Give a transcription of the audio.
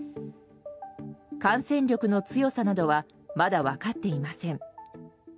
感染力の強さなどはまだ分かっていません。